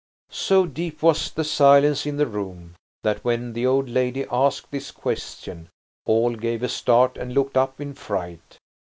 So deep was the silence in the room that when the old lady asked this question all gave a start and looked up in fright.